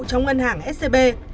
trong ngân hàng scb